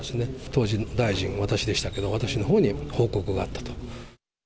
当時の大臣、私でしたけれども、私のほうに報告があったと。